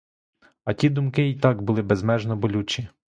А ті думки й так були безмежно болючі.